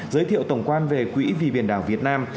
giới thiệu tổng quan về quỹ vì biển đảo việt nam